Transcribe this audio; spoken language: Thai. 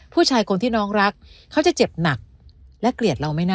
ผู้ชายคนที่น้องรักเขาจะเจ็บหนักและเกลียดเราไม่แน่